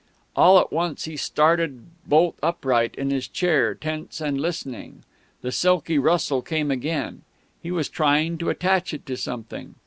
All at once he started bolt upright in his chair, tense and listening. The silky rustle came again; he was trying to attach it to something....